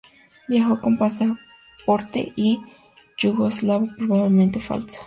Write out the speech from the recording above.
Viajó con pasaporte yugoslavo, probablemente falso.